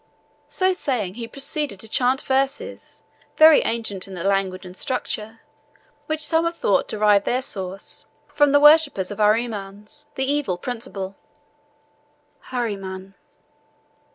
So saying, he proceeded to chant verses, very ancient in the language and structure, which some have thought derive their source from the worshippers of Arimanes, the Evil Principle. AHRIMAN.